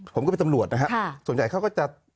ผมก็เป็นตำรวจนะครับส่วนใจเขาก็จะ